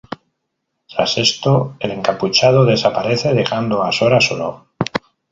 Tras esto, el encapuchado desaparece dejando a Sora solo.